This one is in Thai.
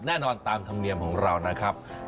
ตามธรรมเนียมของเรานะครับ